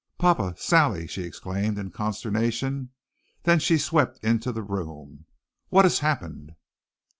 "Papa! Sally!" she exclaimed, in consternation. Then she swept into the room. "What has happened?"